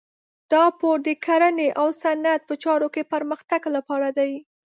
دا پور د کرنې او صنعت په چارو کې پرمختګ لپاره دی.